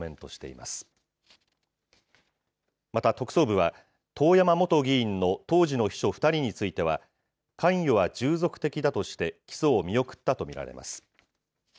また特捜部は、遠山元議員の当時の秘書２人については、関与は従属的だとして、起訴を見送ったと見られます。